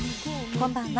こんばんは。